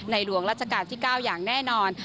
หลวงราชการที่๙อย่างแน่นอน